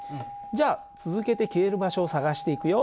じゃあ続けて消える場所を探していくよ。